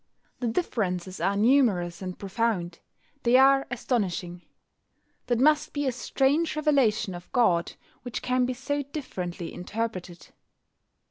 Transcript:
The differences are numerous and profound: they are astonishing. That must be a strange revelation of God which can be so differently interpreted.